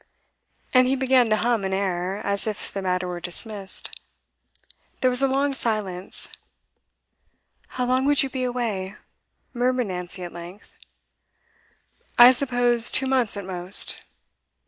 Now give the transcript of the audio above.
And he began to hum an air, as if the matter were dismissed. There was a long silence. 'How long would you be away?' murmured Nancy, at length. 'I suppose two months at most.